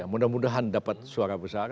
mudah mudahan dapat suara besar